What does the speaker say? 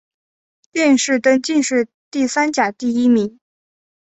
殿试登进士第三甲第一名。